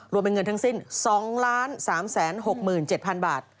รวมเป็นเงินทั้งสิ้น๒๓๖๗๐๐บาท